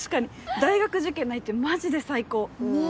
大学受験ないってマジで最高。ねぇ！